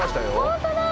本当だ！